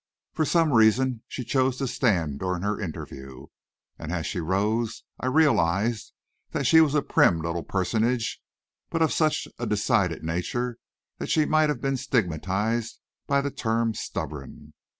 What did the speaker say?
For some reason she chose to stand during her interview, and as she rose, I realized that she was a prim little personage, but of such a decided nature that she might have been stigmatized by the term stubborn.